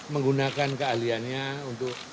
menggunakan keahliannya untuk